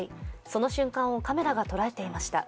その瞬間をカメラが捉えていました。